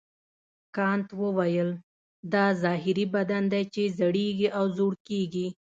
کانت وویل دا ظاهري بدن دی چې زړیږي او زوړ کیږي.